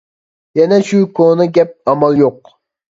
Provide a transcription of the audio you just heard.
يەنە شۇ كونا گەپ، ئامال يوق.